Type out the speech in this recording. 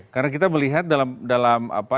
karena kita melihat dalam apa